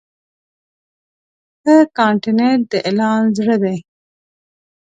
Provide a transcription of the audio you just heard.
ښه کانټینټ د اعلان زړه دی.